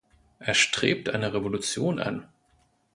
Er strebt eine Revolution an.